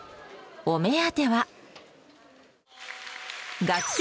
お目当ては。